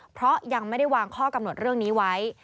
เพราะยังไม่ได้วางข้อกำหนดเรื่องนี้ไว้